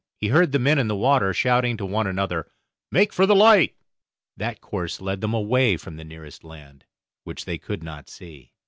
He heard the men in the water shouting to one another, "Make for the light." That course led them away from the nearest land, which they could not see.